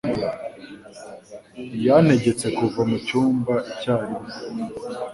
Yantegetse kuva mu cyumba icyarimwe.